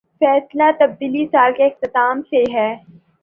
فیصد تبدیلی سال کے اختتام سے ہے